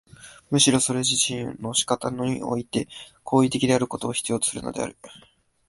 むしろそれ自身の仕方において行為的であることを必要とするのである。